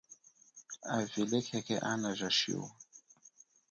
Avila khekhe ana a shiwa.